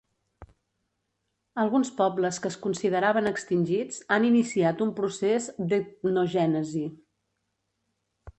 Alguns pobles que es consideraven extingits, han iniciat un procés d'etnogènesi.